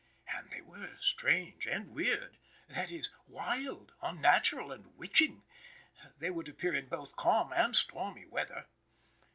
And they were strange and weird that is, wild, unnatural, and witching. They would appear in both calm and stormy weather.